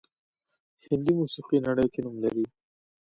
هندي موسیقي نړۍ کې نوم لري